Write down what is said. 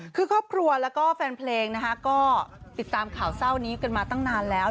คือครอบครัวแล้วก็แฟนเพลงนะคะก็ติดตามข่าวเศร้านี้กันมาตั้งนานแล้ว